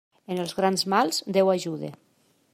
En els grans mals, Déu ajuda.